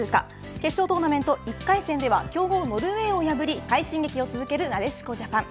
決勝トーナメント１回戦では強豪ノルウェーを破り快進撃を続ける、なでしこジャパン。